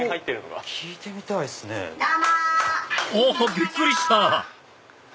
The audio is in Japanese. びっくりした！